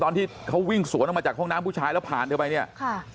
ตอนที่เขาวิ่งสวนออกมาจากห้องน้ำผู้ชายแล้วผ่านเธอไปเนี่ยค่ะ